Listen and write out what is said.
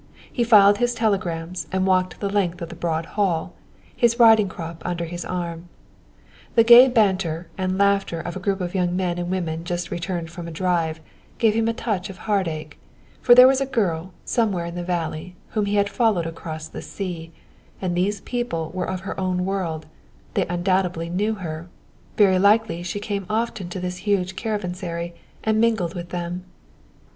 He filed his telegrams and walked the length of the broad hall, his riding crop under his arm. The gay banter and laughter of a group of young men and women just returned from a drive gave him a touch of heartache, for there was a girl somewhere in the valley whom he had followed across the sea, and these people were of her own world they undoubtedly knew her; very likely she came often to this huge caravansary and mingled with them.